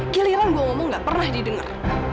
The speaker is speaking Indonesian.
giliran gue ngomong gak pernah didengar